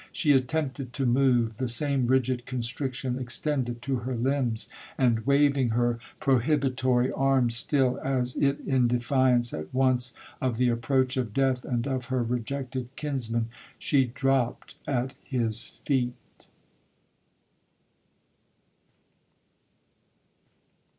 She attempted to move—the same rigid constriction extended to her limbs; and, waving her prohibitory arm still, as it in defiance at once of the approach of death and of her rejected kinsman, she dropt at his feet.